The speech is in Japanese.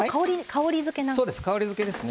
香りづけですね。